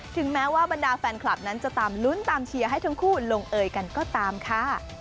ถึงแม้ว่าบรรดาแฟนคลับนั้นจะตามลุ้นตามเชียร์ให้ทั้งคู่ลงเอยกันก็ตามค่ะ